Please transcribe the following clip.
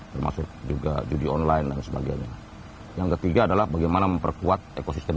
termasuk juga judi online dan sebagainya yang ketiga adalah bagaimana memperkuat ekosistem